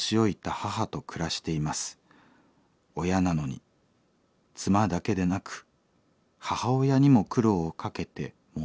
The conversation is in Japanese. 親なのに妻だけでなく母親にも苦労をかけて申し訳ない。